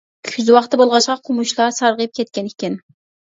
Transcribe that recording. كۈز ۋاقتى بولغاچقا قومۇشلار سارغىيىپ كەتكەن ئىكەن.